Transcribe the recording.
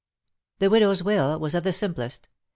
The widow's will was of the simplest.